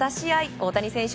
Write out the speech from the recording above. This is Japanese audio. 大谷選手